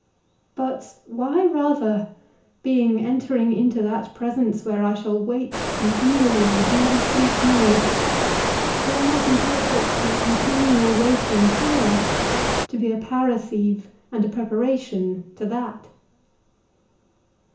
But why rather, being entering into that presence where I shall wake continually and never sleep more, do I not interpret my continual waking here, to be a parasceve and a preparation to that?